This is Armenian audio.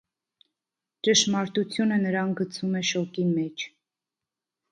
Ճշմարտությունը նրան գցում է շոկի մեջ։